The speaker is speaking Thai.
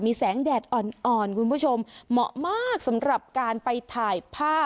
แสงแดดอ่อนคุณผู้ชมเหมาะมากสำหรับการไปถ่ายภาพ